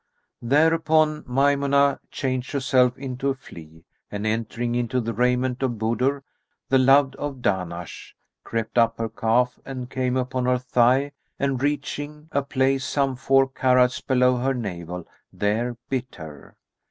Thereupon Maymunah changed herself into a flea and entering into the raiment of Budur, the loved of Dahnash, crept up her calf and came upon her thigh and, reaching a place some four carats[FN#265] below her navel, there bit her.